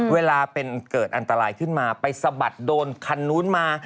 เวลาเป็นเกิดอันตรายขึ้นมาไปสะบัดโดนคันนู้นมา